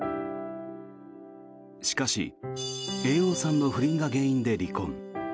しかし猿翁さんの不倫が原因で離婚。